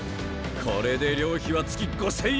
これで寮費は月５，０００円！